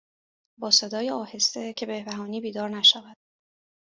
با صدای آهسته که بهبهانی بیدار نشود